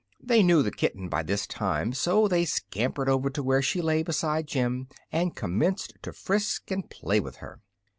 They knew the kitten, by this time, so they scampered over to where she lay beside Jim and commenced to frisk and play with her.